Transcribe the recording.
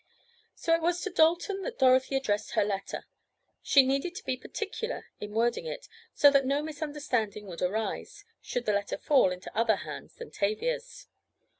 So it was to Dalton that Dorothy addressed her letter. She needed to be particular in wording it, so that no misunderstanding would arise, should the letter fall into other hands than Tavia's.